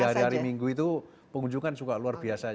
karena di hari hari minggu itu pengunjungan juga luar biasa